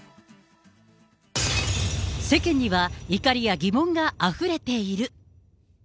世間には怒りや疑問があふれている。